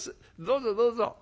どうぞどうぞ」。